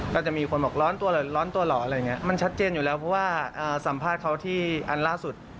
ก็จะมีคนบอกร้อนตัวเหรอร้อนตัวเหรออะไรอย่างนี้มันชัดเจนอยู่แล้วเพราะว่าสัมภาษณ์เขาที่อันล่าสุด